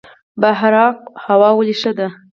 بهارک هوا ولې ښه ده؟